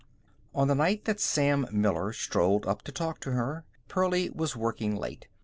On the night that Sam Miller strolled up to talk to her, Pearlie was working late.